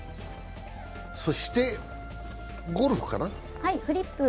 そしてゴルフかな。